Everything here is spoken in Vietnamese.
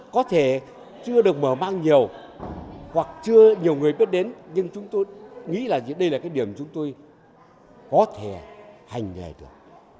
có thể chưa được mở mang nhiều hoặc chưa nhiều người biết đến nhưng chúng tôi nghĩ là đây là cái điểm chúng tôi có thể hành nghề được